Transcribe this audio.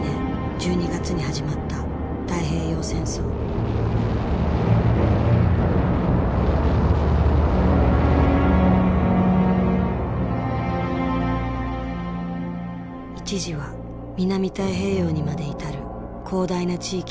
一時は南太平洋にまで至る広大な地域を勢力下に置いた日本。